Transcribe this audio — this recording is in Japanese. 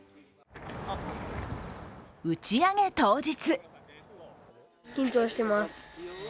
打ち上げ当日。